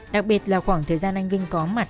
đặc biệt là khoảng thời gian anh vinh có mặt